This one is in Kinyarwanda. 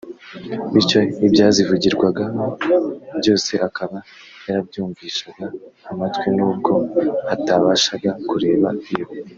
bityo ibyazivugirwagamo byose akaba yarabyumvishaga amatwi n’ubwo atabashaga kureba yo